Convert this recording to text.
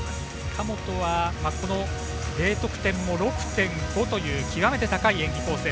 神本は、このＤ得点も６．５という極めて高い演技構成。